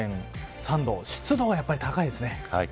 湿度がやっぱり高いですね。